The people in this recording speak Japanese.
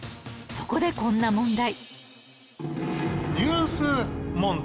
そこでこんな問題